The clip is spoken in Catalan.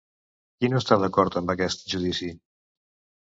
Qui no està d'acord amb aquest judici?